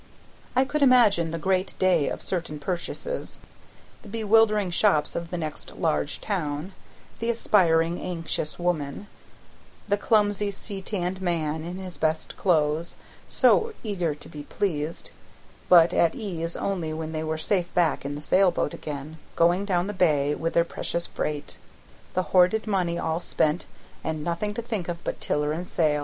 I could imagine the great day of certain purchases, the bewildering shops of the next large town, the aspiring anxious woman, the clumsy sea tanned man in his best clothes, so eager to be pleased, but at ease only when they were safe back in the sailboat again, going down the bay with their precious freight, the hoarded money all spent and nothing to think of but tiller and sail.